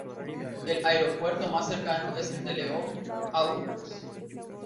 El aeropuerto más cercano es el de León, a unos